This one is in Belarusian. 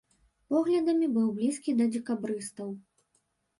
Поглядамі быў блізкі да дзекабрыстаў.